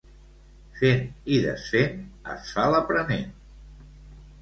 Fent i desfent, es fa l'aprenent.